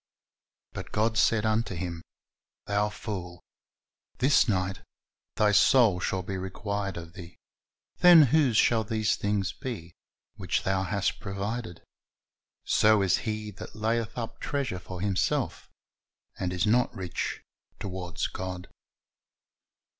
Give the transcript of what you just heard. But God said unto him, Thou fool, this ni<jht thy soul shall be required of thee: then whose shall these things be, which thou hast provided? So is he that layeth up treasure for himself, and is not rich toward God."